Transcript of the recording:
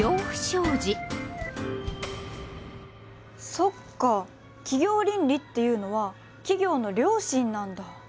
そっか企業倫理っていうのは企業の良心なんだ。